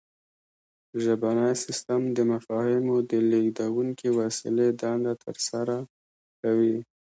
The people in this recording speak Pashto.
ژبنی سیستم د مفاهیمو د لیږدونکې وسیلې دنده ترسره کوي